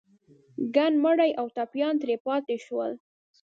ګڼ مړي او ټپيان ترې پاتې شول.